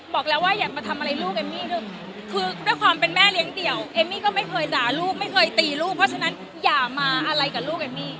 บอกแล้วว่าอย่ามาทำอะไรลูกเอมมี่คือด้วยความเป็นแม่เลี้ยงเดี่ยวเอมมี่ก็ไม่เคยด่าลูกไม่เคยตีลูกเพราะฉะนั้นอย่ามาอะไรกับลูกเอมมี่